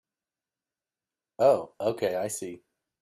Oh okay, I see.